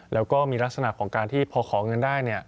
แล้วก็มีลักษณะของการที่พอขอเงินได้